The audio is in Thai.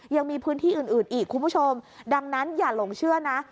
ยังมีพื้นที่อื่นอื่นอีกคุณผู้ชมดังนั้นอย่าหลงเชื่อนะ